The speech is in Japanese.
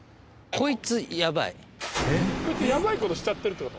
こいつやばい事しちゃってるって事？